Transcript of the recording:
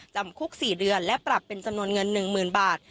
จำคุก๔เดือนและปรับเป็นจำนวนเงิน๑๐๐๐บาท